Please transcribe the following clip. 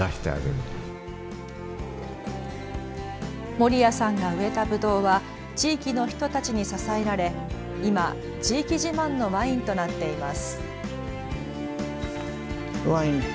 森谷さんが植えたぶどうは地域の人たちに支えられ今、地域自慢のワインとなっています。